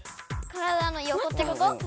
体のよこってこと？